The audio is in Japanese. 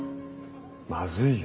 まずいよ。